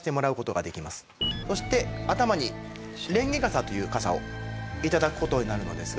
そして頭に蓮華笠という笠を頂く事になるのですが。